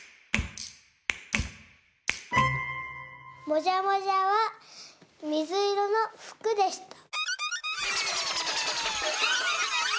もじゃもじゃはみずいろのふくでした。